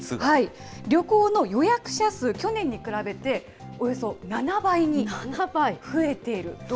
旅行の予約者数、去年に比べておよそ７倍に増えている。